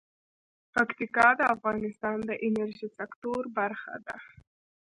پکتیکا د افغانستان د انرژۍ سکتور برخه ده.